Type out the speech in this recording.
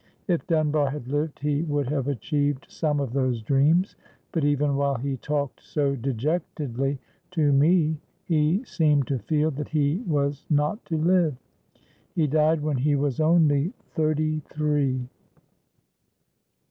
If Dunbar had lived he would have achieved some of those dreams, but even while he talked so dejectedly to me he seemed to feel that he was not to live. He died when he was only thirty three.